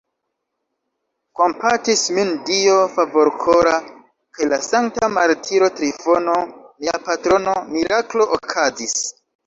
Kompatis min Dio Favorkora kaj la sankta martiro Trifono, mia patrono: miraklo okazis!